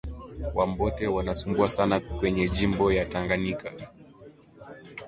Wambote wana sumbua sana kwenye jimbo ya tanganyika